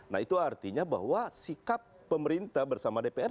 nah itu artinya bahwa sikap pemerintah bersama dengan kita